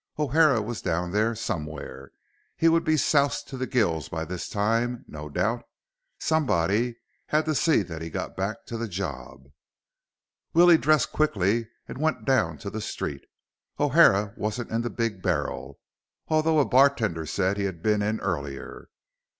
O'Hara was down there, somewhere. He would be soused to the gills by this time, no doubt. Somebody had to see that he got back to the job. Willie dressed quickly and went down to the street. O'Hara wasn't in the Big Barrel, although a bartender said he had been in earlier.